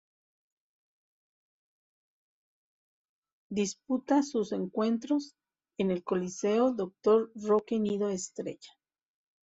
Disputa sus encuentros en el Coliseo Dr. Roque Nido Estella.